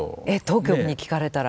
当局に聞かれたら。